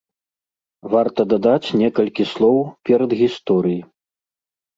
Варта дадаць некалькі слоў перадгісторыі.